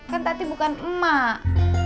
kan tati bukan emak